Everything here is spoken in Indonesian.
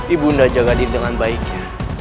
ibu nda jaga diri dengan baiknya